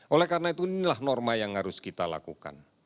oleh karena itu inilah norma yang harus kita lakukan